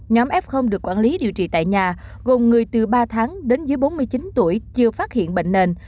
nhóm f được quản lý điều trị tại nhà gồm người từ ba tháng đến dưới bốn mươi chín tuổi chưa phát hiện bệnh nền